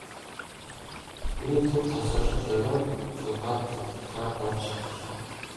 Тэгээд түр завсарлаж оройн зургаад цугларахаар болж тарлаа.